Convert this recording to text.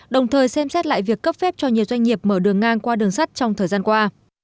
đồng thời xem xét lại việc cấp phép cho nhiều doanh nghiệp mở đường ngang qua đường sắt trong thời gian qua